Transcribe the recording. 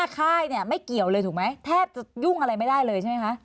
ค่ายเนี่ยไม่เกี่ยวเลยถูกไหมแทบจะยุ่งอะไรไม่ได้เลยใช่ไหมคะ